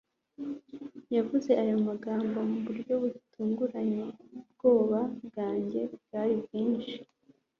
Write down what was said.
yavuze aya magambo mu buryo butunguranye ubwoba bwanjye bwari bwinshi